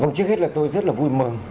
vâng trước hết là tôi rất là vui mừng